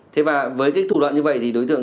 thế và với cái thủ đoạn như vậy thì đối tượng